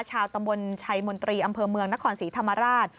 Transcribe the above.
ชาวตำบลชัยมนตรีอำเภอเมืองนครศรีธรรมราช